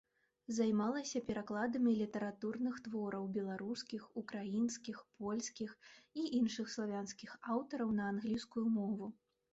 Займалася перакладамі літаратурных твораў беларускіх, украінскіх, польскіх і іншых славянскіх аўтараў на англійскую мову.